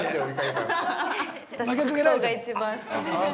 ◆私、黒糖が一番好きです。